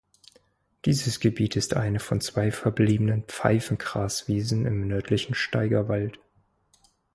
Dieses Gebiet ist eine von zwei verbliebenen Pfeifengraswiesen im nördlichen Steigerwald.